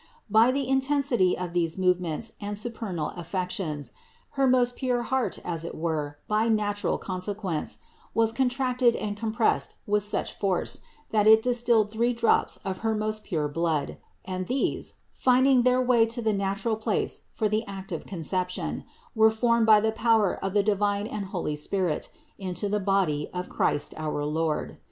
By the intensity of these movements and supernal affections, her most pure heart, as it were by natural consequence, was contracted and compressed with such force, that it distilled three drops of her most pure blood, and these, finding their way to the natural place for the act of conception, were formed by the power of the divine and holy Spirit, into the body of Christ our Lord.